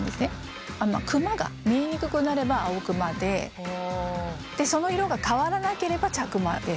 クマが見えにくくなれば青クマでその色が変わらなければ茶クマです。